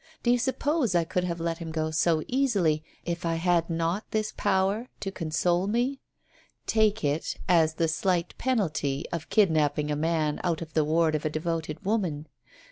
Do you suppose I could have let him go so easily, if I had not this power to console me? Take it, as the slight penalty of kid napping a man out of the ward of a devoted woman.